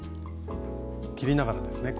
切りながらですねここ。